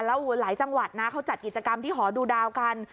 แล้วหลายจังหวัดนะเขาจัดกิจกรรมที่หอดูดาวกัน